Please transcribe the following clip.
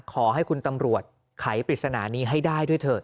ขอให้คุณตำรวจไขปริศนานี้ให้ได้ด้วยเถอะ